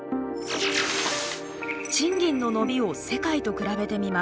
賃金の伸びを世界と比べてみます。